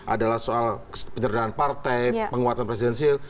adalah soal penyerdanaan partai penguatan presidensil